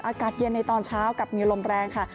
อากาศเย็นในตอนเช้ากับมีลมแรงค่ะ